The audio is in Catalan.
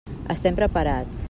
Estem preparats.